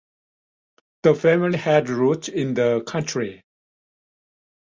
The family had roots in the country.